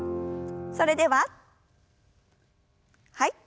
それでははい。